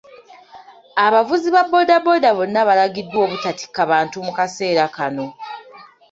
Abavuzi ba bodaboda bonna balagiddwa obutatikka bantu mu kaseera kano.